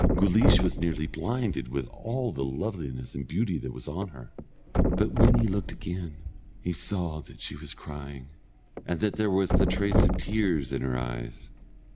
Guleesh was nearly blinded with all the loveliness and beauty that was on her; but when he looked again, he saw that she was crying, and that there was the trace of tears in her eyes.